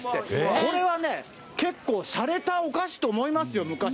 これはね、結構しゃれたお菓子と思いますよ、昔。